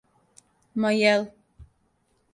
Ма је л?